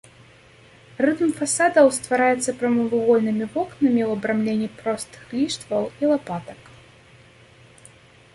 Рытм фасадаў ствараецца прамавугольнымі вокнамі ў абрамленні простых ліштваў і лапатак.